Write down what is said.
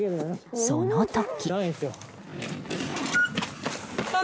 その時。